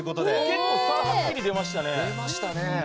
結構差がはっきり出ましたね。